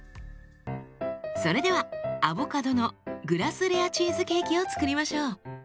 それではアボカドのグラスレアチーズケーキを作りましょう。